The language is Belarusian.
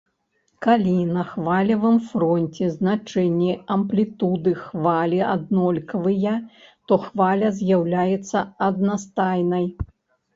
Калі на хвалевым фронце значэнні амплітуды хвалі аднолькавыя, то хваля з'яўляецца аднастайнай.